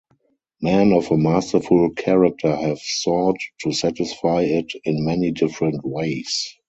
Men of a masterful character have sought to satisfy it in many different ways.